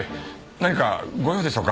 何かご用でしょうか？